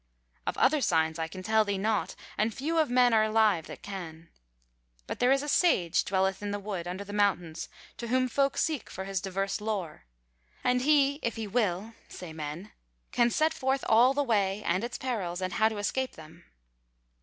Of other signs I can tell thee naught; and few of men are alive that can. But there is a Sage dwelleth in the wood under the mountains to whom folk seek for his diverse lore; and he, if he will, say men, can set forth all the way, and its perils, and how to escape them.